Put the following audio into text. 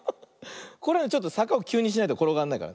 これちょっとさかをきゅうにしないところがんないから。